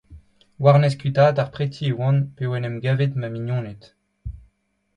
War-nes kuitaat ar preti e oan p'eo en em gavet ma mignoned.